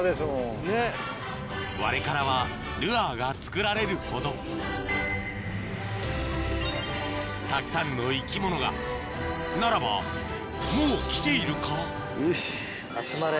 ワレカラはルアーが作られるほどたくさんの生き物がならばもう来ているか？